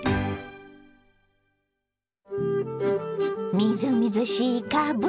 みずみずしいかぶ。